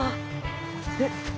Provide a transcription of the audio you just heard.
えっ？